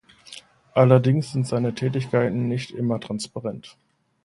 Allerdings sind seine Tätigkeiten nicht immer transparent.